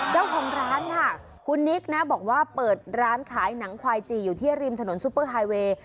เจ้าของร้านค่ะคุณนิกนะบอกว่าเปิดร้านขายหนังควายจีอยู่ที่ริมถนนซุปเปอร์ไฮเวย์